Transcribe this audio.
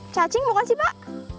cacing bukan sih pak